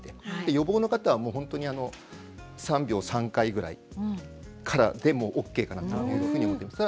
予防の方は本当に３秒３回ぐらいからでもＯＫかなというふうに思ってます。